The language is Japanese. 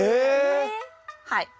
はい。